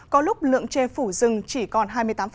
có lúc lượng chê phủ rừng chỉ còn hai mươi tám